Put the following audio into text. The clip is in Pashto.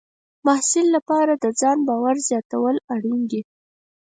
د محصل لپاره د ځان باور زیاتول اړین دي.